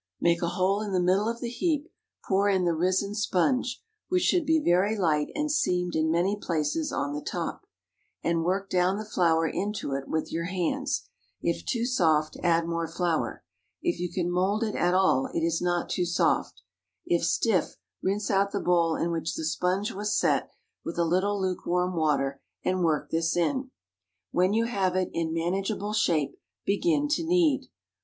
Make a hole in the middle of the heap, pour in the risen sponge (which should be very light and seamed in many places on the top), and work down the flour into it with your hands. If too soft, add more flour. If you can mould it at all, it is not too soft. If stiff, rinse out the bowl in which the sponge was set with a little lukewarm water, and work this in. When you have it in manageable shape, begin to knead.